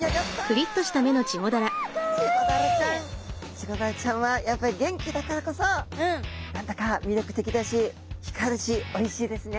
チゴダラちゃんはやっぱり元気だからこそ何だか魅力的だし光るしおいしいですね。